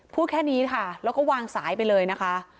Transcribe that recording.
พูดแค่นี้ค่ะแล้วก็วางสายไปเลยนะคะ